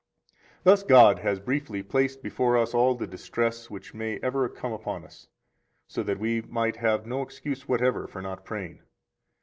119 Thus God has briefly placed before us all the distress which may ever come upon us, so that we might have no excuse whatever for not praying.